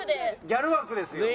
ギャル枠ですよ。